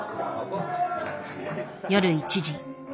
夜１時。